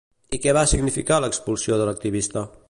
I què va significar l'expulsió de l'activista?